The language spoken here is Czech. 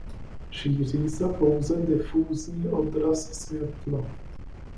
Šíří se pouze difúzní odraz světla.